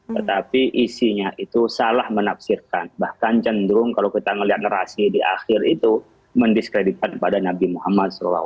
tetapi isinya itu salah menafsirkan bahkan cenderung kalau kita melihat narasi di akhir itu mendiskreditkan pada nabi muhammad saw